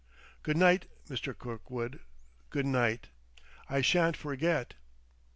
"Good night, Mr. Kirkwood; good night, I shan't forget."